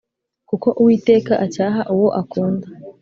kuko uwiteka acyaha uwo akunda,